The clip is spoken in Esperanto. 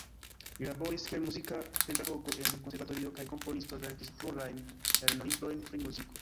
Li laboris kiel muzika pedagogo en konservatorio kaj komponisto, verkis plurajn lernolibrojn pri muziko.